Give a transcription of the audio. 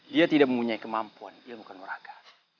dia tidak mempunyai kemampuan ilmu kanuraka